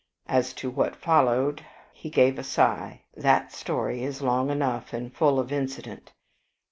As to what followed," he gave a sigh, "that story is long enough and full of incident.